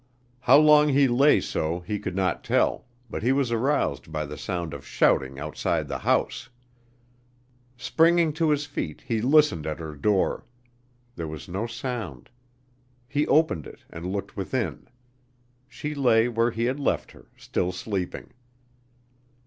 How long he lay so he could not tell, but he was aroused by the sound of shouting outside the house. Springing to his feet, he listened at her door; there was no sound. He opened it and looked within; she lay where he had left her, still sleeping.